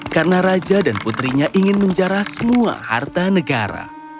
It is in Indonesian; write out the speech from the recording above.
karena raja dan putrinya ingin menjara semua harta negara